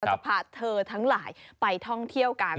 จะพาเธอทั้งหลายไปท่องเที่ยวกัน